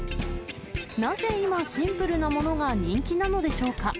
なぜ今、シンプルなものが人気なのでしょうか。